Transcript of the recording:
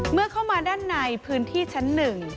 เมื่อเข้ามาด้านในพื้นที่ชั้นหนึ่ง